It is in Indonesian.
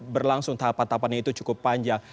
berlangsung tahapan tahapannya itu cukup panjang